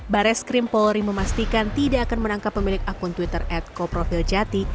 bares krimpolri memastikan tidak akan menangkap pemilik akun twitter ad koprofil jati